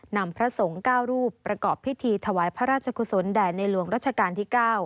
พระสงฆ์๙รูปประกอบพิธีถวายพระราชกุศลแด่ในหลวงรัชกาลที่๙